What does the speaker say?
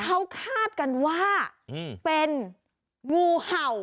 เขาคาดกันว่าเป็นงูเห่า